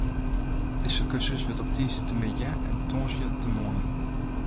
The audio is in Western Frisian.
Dizze kursus wurdt op tiisdeitemiddei en tongersdeitemoarn jûn.